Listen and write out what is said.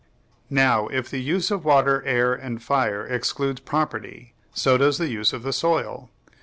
Now, if the use of water, air, and fire excludes property, so does the use of the soil.